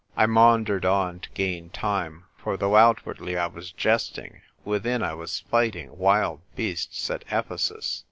I maundered on, to gain time, for though outwardly I was jesting, within I was fight ing wild beasts at Ephcsus.